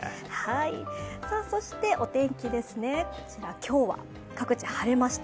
そしてお天気ですね、こちら、今日は各地晴れました。